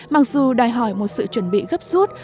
mặc dù đòi hỏi một sự chuẩn bị gấp rút